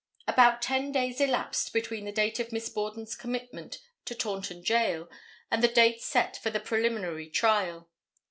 About ten days elapsed between the date of Miss Borden's commitment to Taunton Jail and the date set for the preliminary trial.